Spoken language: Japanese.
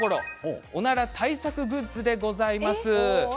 おなら対策グッズでございます。